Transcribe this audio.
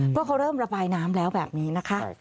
เพราะเขาเริ่มระบายน้ำแล้วแบบนี้นะคะ